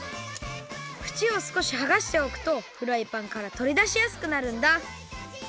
ふちをすこしはがしておくとフライパンからとりだしやすくなるんだ。